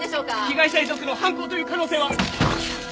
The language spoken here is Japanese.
被害者遺族の犯行という可能性は？